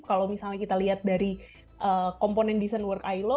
kalau misalnya kita lihat dari komponen desain work ilo